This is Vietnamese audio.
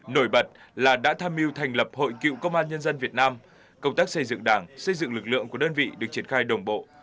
nổi bật là đã tham mưu thành lập hội cựu công an nhân dân việt nam công tác xây dựng đảng xây dựng lực lượng của đơn vị được triển khai đồng bộ